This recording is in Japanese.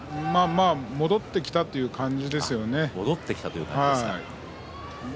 まあ戻ってきたという感じですよね。